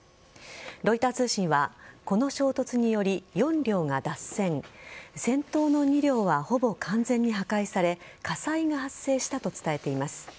ロイター通信はこの衝突により４両が脱線先頭の２両はほぼ完全に破壊され火災が発生したと伝えています。